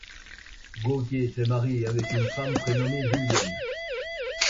Gautier s'est marié avec une femme prénommé Julienne.